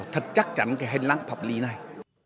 thật chắc chắn cái hình lăng pháp lý này